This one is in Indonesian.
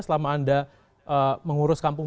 selama anda mengurus kampung